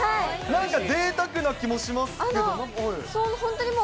なんかぜいたくな気もしますけれども。